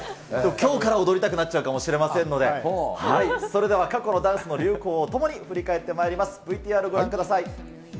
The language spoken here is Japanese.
きょうから踊りたくなっちゃうかもしれませんので、それでは過去のダンスの流行をともに振り返ってまいります。